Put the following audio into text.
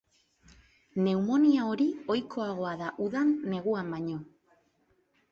Pneumonia hori ohikoagoa da udan neguan baino.